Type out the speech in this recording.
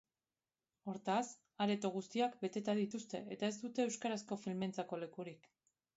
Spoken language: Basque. Hortaz, areto guztiak beteta dituzte eta ez dute euskarazko filmeentzako lekurik.